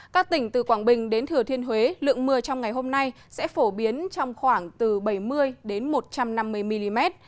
các tỉnh từ quảng bình đến thừa thiên huế lượng mưa trong ngày hôm nay sẽ phổ biến trong khoảng từ bảy mươi một trăm năm mươi mm